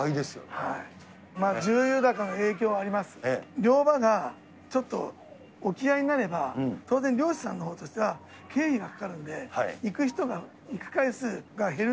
はい、まあ重油高の影響があります、漁場がちょっと沖合になれば、当然漁師さんのほうとしては経費がかかるんで、行く人が、行く回数が減る。